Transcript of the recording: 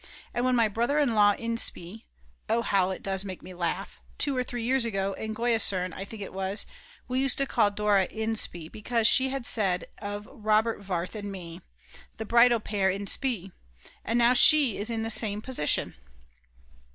And when my brother in law in spe, oh how it does make me laugh, two or three years ago, in Goisern I think it was, we used to call Dora Inspe, because she had said of Robert Warth and me: The bridal pair in spe! And now she is in the same position.